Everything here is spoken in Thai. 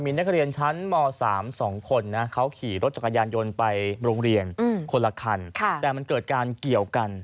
มีนักเรียนชั้นม๓๒คนนะเขาขี่รถจักรยานยนต์ไปโรงเรียนคนละคันแต่มันเกิดการเกี่ยวกัน